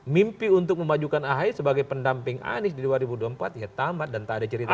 mimpi untuk memajukan ahy sebagai pendamping anies di dua ribu dua puluh empat ya tamat dan tak ada cerita lain